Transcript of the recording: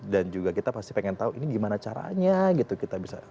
dan juga kita pasti pengen tahu ini gimana caranya gitu kita bisa